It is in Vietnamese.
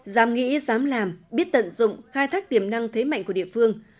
dám nghĩ dám làm biết tận dụng khai thác tiềm năng thế mạnh của địa phương